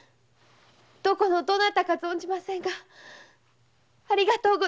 どこのどなたか存じませんがありがとうございました。